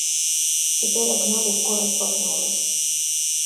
Теперь окно легко распахнулось.